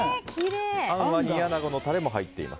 あんは煮アナゴのタレも入っています。